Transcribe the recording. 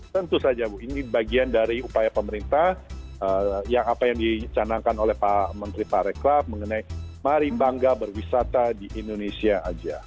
tentu saja bu ini bagian dari upaya pemerintah yang apa yang dicanangkan oleh pak menteri pak reklap mengenai mari bangga berwisata di indonesia aja